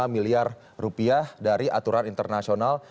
lima miliar rupiah dari aturan internasional